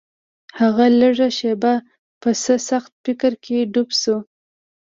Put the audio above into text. هغه لږه شېبه په څه سخت فکر کې ډوبه شوه.